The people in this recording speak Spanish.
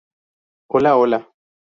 Hola, hola.